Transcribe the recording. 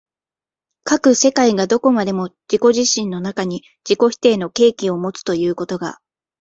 斯く世界がどこまでも自己自身の中に自己否定の契機をもつということが、